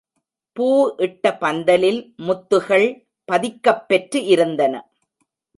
பூ இட்ட பந்தலில் முத்துகள் பதிக்கப் பெற்று இருந்தன.